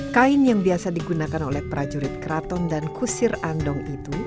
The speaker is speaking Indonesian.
kain yang biasa digunakan oleh prajurit keraton dan kusir andong itu